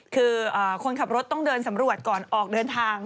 คือคนขับรถต้องเดินสำรวจก่อนออกเดินทาง